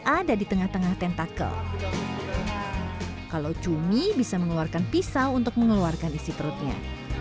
ada di tengah tengah tentakel kalau cumi bisa mengeluarkan pisau untuk mengeluarkan isi perutnya